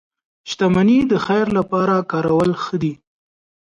• شتمني د خیر لپاره کارول ښه دي.